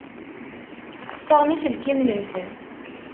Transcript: Ssaɣen iselkimen-nsen.